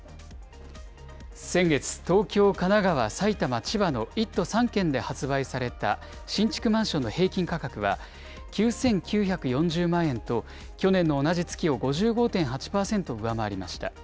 先月、東京、神奈川、埼玉、千葉の１都３県で発売された新築マンションの平均価格は、９９４０万円と、去年の同じ月を５５．８％上回りました。